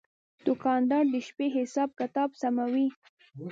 دوکاندار د شپې حساب کتاب سموي.